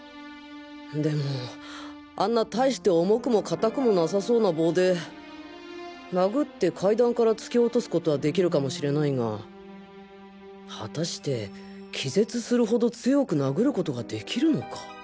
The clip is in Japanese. でもあんなたいして重くも硬くもなさそうな棒で殴って階段から突き落とすことはできるかもしれないがはたして気絶するほど強く殴ることができるのか。